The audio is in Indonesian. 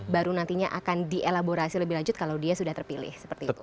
baru nantinya akan dielaborasi lebih lanjut kalau dia sudah terpilih seperti itu